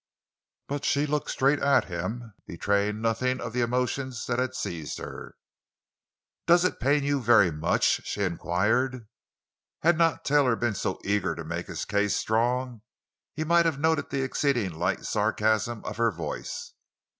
But she looked straight at him, betraying nothing of the emotions that had seized her. "Does it pain you very much?" she inquired. Had not Taylor been so eager to make his case strong, he might have noted the exceedingly light sarcasm of her voice.